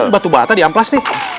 apa ini batu bata di amplas nih